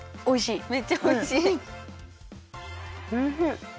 おいしい！